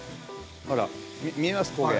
見えますか？